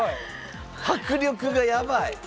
迫力がやばい。